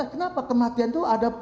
kenapa kematian itu ada